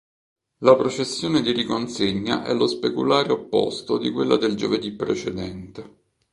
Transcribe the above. La processione di riconsegna è lo speculare opposto di quella del giovedì precedente.